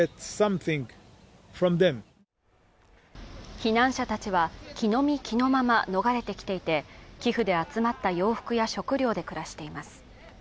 避難者たちは着のみ着のまま逃れてきていて寄付で集まった洋服や食料で暮らしています